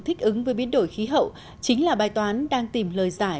thích ứng với biến đổi khí hậu chính là bài toán đang tìm lời giải